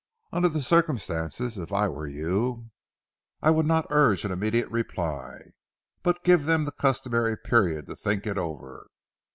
Under the circumstances, if I were you, I would not urge an immediate reply, but give them the customary period to think it over.